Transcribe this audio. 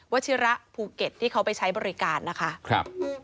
ชิระภูเก็ตที่เขาไปใช้บริการนะคะ